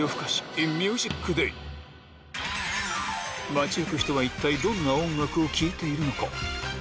街行く人は一体どんな音楽を聴いているのか。